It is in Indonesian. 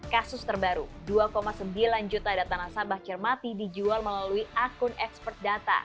kasus terbaru dua sembilan juta data nasabah cermati dijual melalui akun expert data